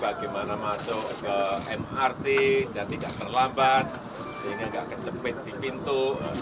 bagaimana masuk ke mrt dan tidak terlambat sehingga nggak kecepet di pintu